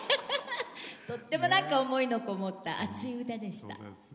とっても思いのこもった熱い歌でした。